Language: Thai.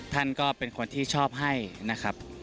ท่านก็เป็นคนที่ชอบให้นะครับ